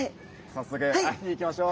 早速会いに行きましょう。